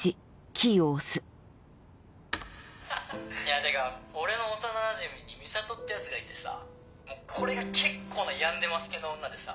ってか俺の幼なじみに美里ってヤツがいてさこれが結構な病んでます系の女でさ。